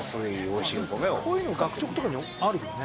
こういうの学食とかにあるよね。